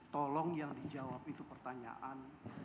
tolong yang dijawab itu pertanyaan